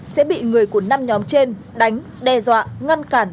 sẽ bị người của năm nhóm trên đánh đe dọa ngăn cản